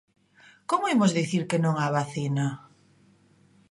Como imos dicir que non á vacina?